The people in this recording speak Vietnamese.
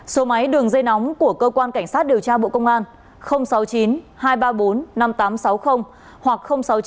số máy đường dây nóng của cơ quan cảnh sát điều tra bộ công an sáu mươi chín hai trăm ba mươi bốn năm nghìn tám trăm sáu mươi hoặc sáu mươi chín hai trăm ba mươi một một nghìn sáu trăm